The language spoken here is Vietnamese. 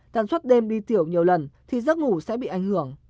tần suất đêm đi tiểu nhiều lần thì giấc ngủ sẽ bị ảnh hưởng